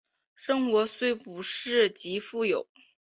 生活虽不是极富有